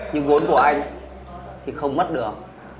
nhưng vốn của anh thì không mất được